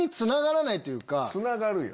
つながるよ。